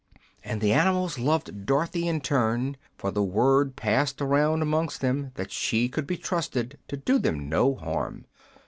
And the animals loved Dorothy in turn, for the word passed around amongst them that she could be trusted to do them no harm.